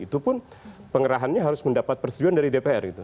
itu pun pengerahannya harus mendapat persetujuan dari dpr gitu